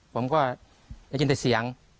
ผมก็ได้ยินแต่เสียง